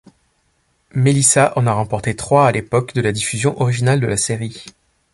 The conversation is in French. Melissa en a remporté trois à l’époque de la diffusion originale de la série.